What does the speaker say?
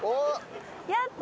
やった。